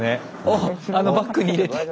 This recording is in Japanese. あのバッグに入れて。